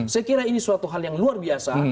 saya kira ini suatu hal yang luar biasa